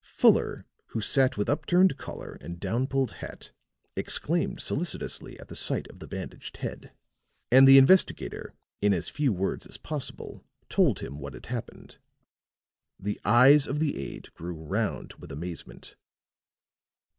Fuller, who sat with upturned collar and down pulled hat, exclaimed solicitously at the sight of the bandaged head, and the investigator in as few words as possible told him what had happened. The eyes of the aide grew round with amazement.